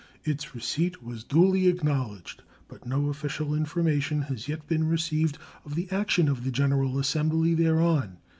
Its receipt was duly acknowledged, but no official information has yet been received of the action of the general assembly thereon.